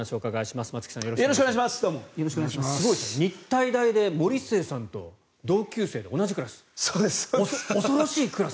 すごいですね日体大で森末さんと同級生で同じクラス。